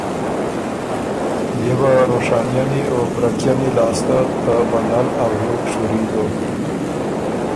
بيې وه روشانئنی او برکئنی لاسته ته بدل ا وریوک شُوري دوک۔